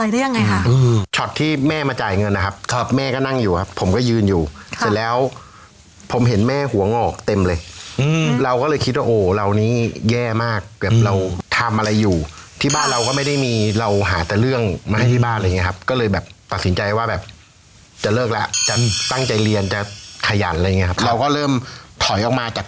ได้ยังไงคะช็อตที่แม่มาจ่ายเงินนะครับครับแม่ก็นั่งอยู่ครับผมก็ยืนอยู่เสร็จแล้วผมเห็นแม่หัวงอกเต็มเลยอืมเราก็เลยคิดว่าโอ้เรานี้แย่มากแบบเราทำอะไรอยู่ที่บ้านเราก็ไม่ได้มีเราหาแต่เรื่องมาให้ที่บ้านอะไรอย่างเงี้ครับก็เลยแบบตัดสินใจว่าแบบจะเลิกแล้วจะตั้งใจเรียนจะขยันอะไรอย่างเงี้ครับเราก็เริ่มถอยออกมาจาก